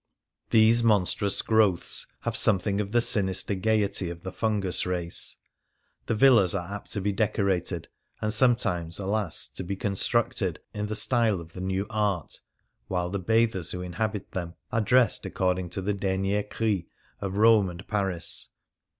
These monstrous growths have something of the sinister gaiety of the fungus race : the villas are apt to be decorated — and sometimes, alas ! to be con structed — in the style of the '' New Art,"" while the bathers who inhabit them are dressed according to the dernier ci'i of Rome and l*aris.